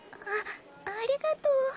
あありがとう。